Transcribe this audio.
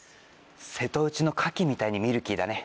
瀬戸内の牡蠣みたいにミルキーだね。